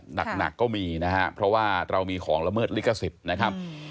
หนักก็มีนะฮะเพราะว่าเรามีของละเมิดลิขสิทธิ์นะครับ